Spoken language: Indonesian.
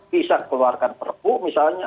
bisa keluarkan perpuk misalnya